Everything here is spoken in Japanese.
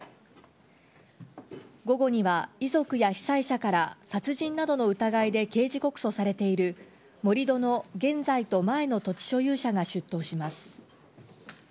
午後には遺族や被災者から殺人などの疑いで刑事告訴されている盛り土の現在と前の土地所有者が出頭します。